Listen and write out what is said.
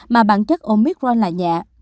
mà bản chất omicron là nhẹ